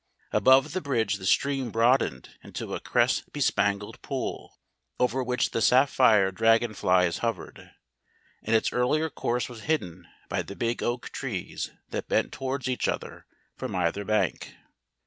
Above the bridge the stream broadened into a cress bespangled pool, over which the sapphire dragon flies hovered, and its earlier course was hidden by the big oak trees that bent towards each other from either bank.